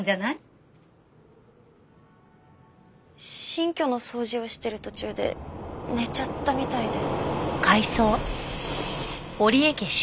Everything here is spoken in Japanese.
新居の掃除をしてる途中で寝ちゃったみたいで。